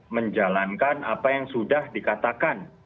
menjalankan apa yang sudah dikatakan